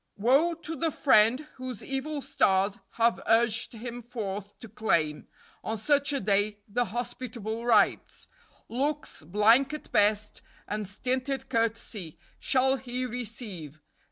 "Woe to the friend Whose evil stars have urged him forth to claim On such a day the hospitable rites! Looks, blank at best, and stinted courtesy Shall he receive.